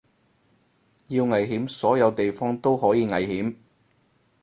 要危險所有地方都可以危險